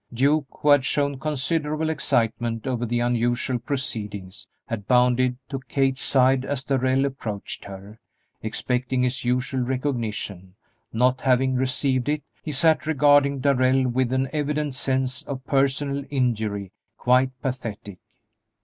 Duke, who had shown considerable excitement over the unusual proceedings, had bounded to Kate's side as Darrell approached her, expecting his usual recognition; not having received it, he sat regarding Darrell with an evident sense of personal injury quite pathetic.